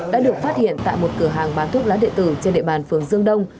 đã được phát hiện tại một cửa hàng bán thuốc lá địa tử trên địa bàn phường dương đông